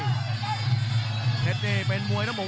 กรรมการเตือนทั้งคู่ครับ๖๖กิโลกรัม